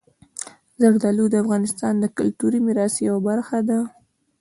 زردالو د افغانستان د کلتوري میراث یوه برخه ده.